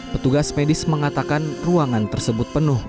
petugas medis mengatakan ruangan tersebut penuh